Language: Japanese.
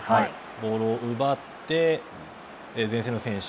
ボールを奪って前線の選手